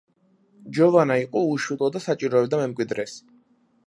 ჯოვანა იყო უშვილო და საჭიროებდა მემკვიდრეს.